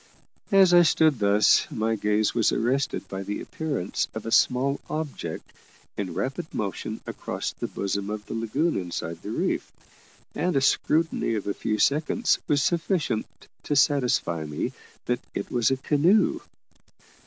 As I stood thus, my gaze was arrested by the appearance of a small object in rapid motion across the bosom of the lagoon inside the reef, and a scrutiny of a few seconds was sufficient to satisfy me that it was a canoe.